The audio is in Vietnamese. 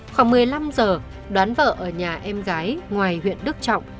khoảng một mươi năm giờ đoán vợ ở nhà em gái ngoài huyện đức trọng